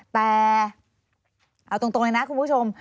แต่เอาตรงเลยนะคุณผู้ชม